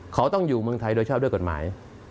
เขาต้องอยู่เมืองไทยโดยชอบด้วยกฎหมาย